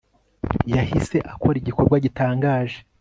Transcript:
Yahise akora Igikorwa gitangaje